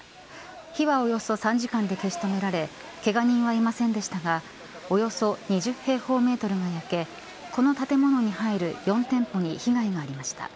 火はおよそ３時間で消し止められけが人はいませんでしたがおよそ２０平方メートルが焼けこの建物に入る４店舗に被害がありました。